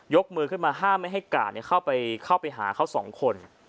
กมือขึ้นมาห้ามไม่ให้กาดเข้าไปหาเขาสองคน